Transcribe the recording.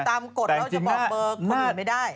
แต่ตามกฎเราจะบอกเปลือคนหรือไม่ได้